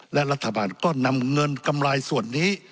และรัฐบาลก็นำเงินกำไรส่วนนี้